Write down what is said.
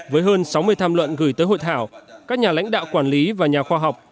với hơn sáu mươi tham luận gửi tới hội thảo các nhà lãnh đạo quản lý và nhà khoa học